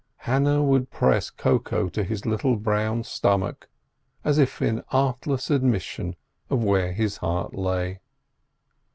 Hannah would press Koko to his little brown stomach, as if in artless admission of where his heart lay.